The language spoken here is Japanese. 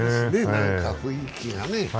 何か雰囲気がね。